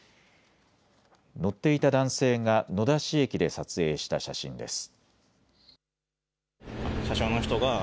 乗っていた男性が野田市駅で撮影した写真です。